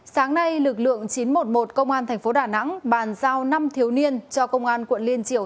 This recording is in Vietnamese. sáng nay lực lượng chín trăm một mươi một công an thành phố đà nẵng bàn giao năm thiếu niên cho công an quận liên triểu